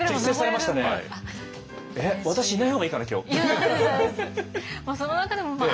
えっ私いない方がいいかな今日。